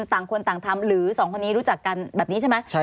ต่างคนต่างทำหรือสองคนนี้รู้จักกันแบบนี้ใช่ไหม